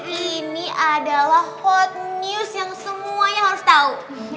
ini adalah hot news yang semuanya harus tahu